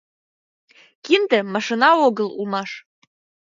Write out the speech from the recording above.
Кинде машина огыл улмаш.